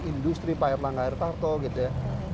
industri pahit langga air tarto gitu ya